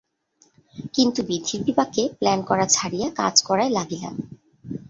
কিন্তু বিধির বিপাকে প্ল্যান করা ছাড়িয়া কাজ করায় লাগিলাম।